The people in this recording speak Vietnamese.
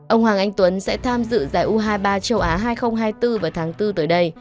ông hoàng anh tuấn sẽ tham dự giải u hai mươi ba châu á hai nghìn hai mươi bốn vào tháng bốn tới đây